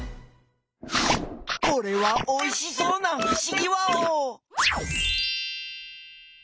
これはおいしそうなふしぎワオ！